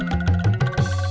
i know you can but ya